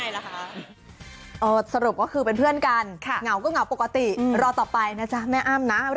ค่ามันรองแล้วมันคงไม่ได้รู้หรอก